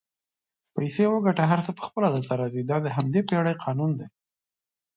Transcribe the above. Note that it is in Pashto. پیسې وګټه هر څه پخپله درته راځي دا د همدې پیړۍ قانون دئ